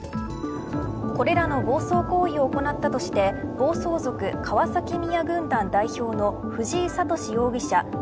これらの暴走行為を行ったとして暴走族、川崎宮軍団代表の藤井敏容疑者